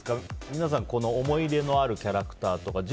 皆さん思い入れのあるキャラクターとかは。